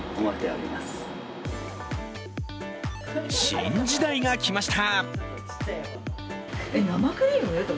新時代が来ました。